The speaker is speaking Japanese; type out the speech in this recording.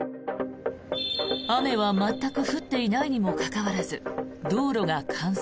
雨は全く降っていないにもかかわらず道路が冠水。